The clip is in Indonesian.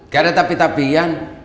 keadaan tapi tapi ian